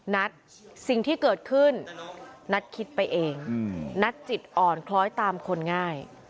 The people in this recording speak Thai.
นัทสิ่งที่เกิดขึ้นนัทคิดไปเองนัทจิตอ่อนคล้อยตามคนง่าย